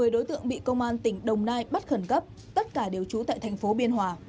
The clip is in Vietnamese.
một mươi đối tượng bị công an tỉnh đồng nai bắt khẩn cấp tất cả đều trú tại thành phố biên hòa